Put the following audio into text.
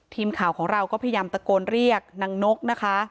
ทีมข่าวของเราก็พยายามตะโกนเรียกนางนกนะคะ